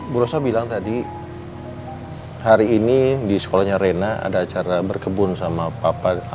bu roso bilang tadi hari ini di sekolahnya rina ada acara berkebun sama papa atau upanya